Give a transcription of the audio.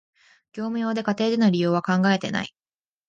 業務用で、家庭での利用は考えてない